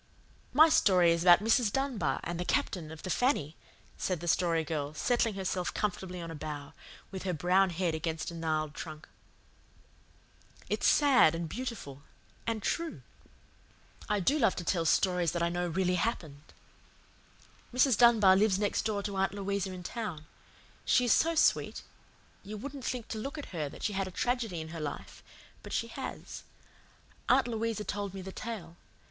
"My story is about Mrs. Dunbar and the Captain of the FANNY," said the Story Girl, settling herself comfortably on a bough, with her brown head against a gnarled trunk. "It's sad and beautiful and true. I do love to tell stories that I know really happened. Mrs. Dunbar lives next door to Aunt Louisa in town. She is so sweet. You wouldn't think to look at her that she had a tragedy in her life, but she has. Aunt Louisa told me the tale.